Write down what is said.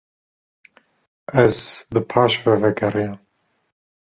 Ez paş ve vegeriyam.